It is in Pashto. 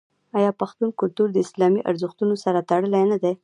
آیا پښتون کلتور د اسلامي ارزښتونو سره تړلی نه دی؟